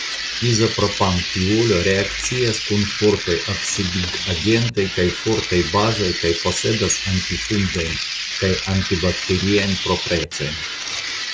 Izopropanotiolo reakcias kun fortaj oksidigagentoj kaj fortaj bazoj kaj posedas antifungajn kaj antibakteriajn proprecojn.